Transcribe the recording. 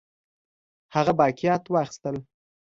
هغه باقیات واخیستل.